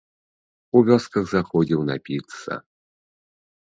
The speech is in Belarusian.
У вёсках заходзіў напіцца.